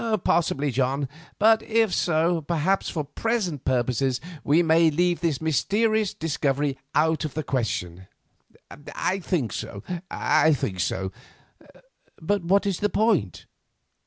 "Possibly, John; but, if so, perhaps for present purposes we may leave this mysterious discovery out of the question." "I think so, I think so; but what is the point?"